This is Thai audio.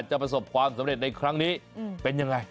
ประสบความสำเร็จในครั้งนี้เป็นยังไง